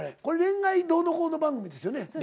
これ恋愛どうのこうの番組ですよね？